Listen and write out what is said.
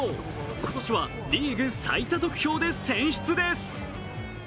今年はリーグ最多得票で選出です。